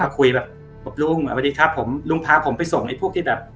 คุยแบบบอกลุงสวัสดีครับผมลุงพาผมไปส่งไอ้พวกที่แบบ